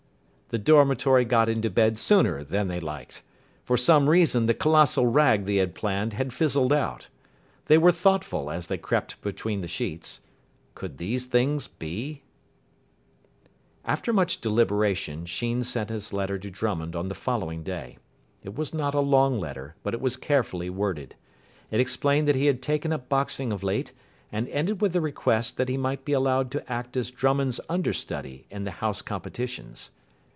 The dormitory got into bed sooner than they liked. For some reason the colossal rag they had planned had fizzled out. They were thoughtful as they crept between the sheets. Could these things be? After much deliberation Sheen sent his letter to Drummond on the following day. It was not a long letter, but it was carefully worded. It explained that he had taken up boxing of late, and ended with a request that he might be allowed to act as Drummond's understudy in the House competitions.